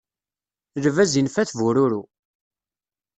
Lbaz infa-t bururu.